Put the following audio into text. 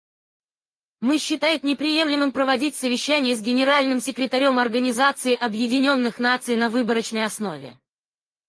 Мы считает неприемлемым проводить совещания с Генеральным секретарем Организации Объединенных Наций на выборочной основе.